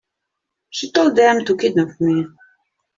She told them to kidnap me.